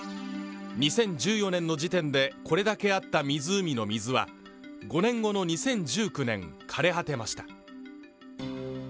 ２０１４年の時点でこれだけあった湖の水は５年後の２０１９年かれ果てました